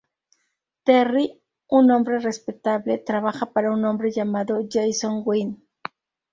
Terry, un hombre respetable, trabaja para un hombre llamado Jason Wynn.